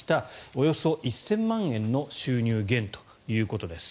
およそ１０００万円の収入減ということです。